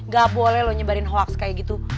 gak boleh lo nyebarin hoaks kayak gitu